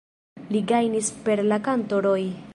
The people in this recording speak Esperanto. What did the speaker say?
Li gajnis per la kanto "Roi".